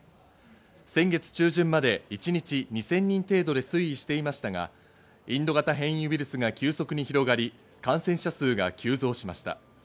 先月中旬まで一日２０００人程度で推移していましたが、インド型変異ウイルスが急速に広がり、感染者数が急増しました。